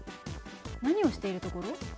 何をしているところ？え？